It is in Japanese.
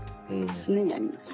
常にあります。